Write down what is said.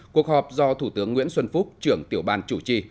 cuộc họp do thủ tướng nguyễn xuân phúc trưởng tiểu ban chủ trì